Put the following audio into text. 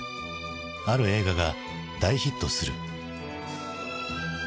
ある映画が大ヒットする。